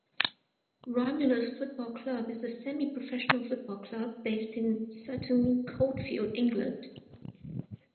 Romulus Football Club is a semi professional football club based in Sutton Coldfield, England.